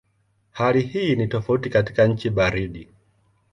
Hali hii ni tofauti katika nchi baridi.